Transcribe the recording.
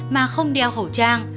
mà không đeo khẩu trang